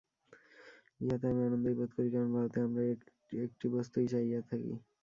ইহাতে আমি আনন্দই বোধ করি, কারণ ভারতে আমরা এই একটি বস্তুই চাহিয়া থাকি।